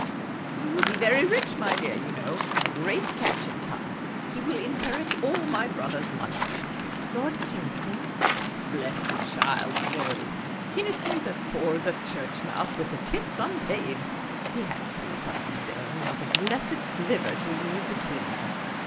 " He will be very rich, my dear, you know. A great catch in time. He will inherit all my brother's money." The Supercilious Attache 47 "Lord Kynaston's?" " Bless the child, no. Kynaston 's as poor as a church mouse with the tithes unpaid ; he has three sons of his own, and not a blessed stiver to leave between them.